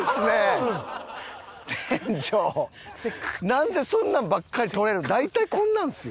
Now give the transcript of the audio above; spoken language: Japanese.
なんでそんなんばっかりとれる大体こんなんですよ。